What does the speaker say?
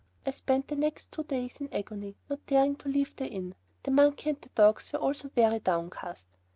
I spent the next two days in agony, not daring to leave the inn. The monkey and the dogs were also very downcast.